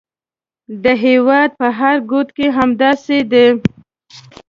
د هېواد په هر ګوټ کې همداسې ده.